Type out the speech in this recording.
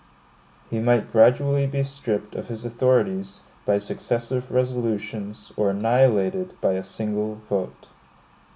He might gradually be stripped of his authorities by successive resolutions, or annihilated by a single vote.